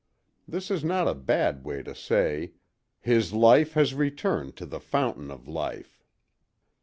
This is not a bad way to say, "His life has returned to the Fountain of Life."